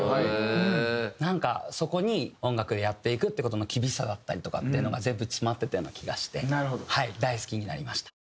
なんかそこに音楽でやっていくって事の厳しさだったりとかっていうのが全部詰まってたような気がして大好きになりました。